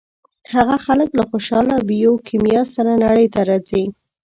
هغه خلک له خوشاله بیوکیمیا سره نړۍ ته راځي.